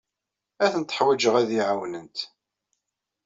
Ad tent-ḥwijeɣ ad iyi-ɛawnent.